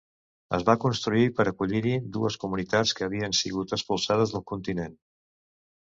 Es va construir per acollir-hi dues comunitats que havien sigut expulsades del continent.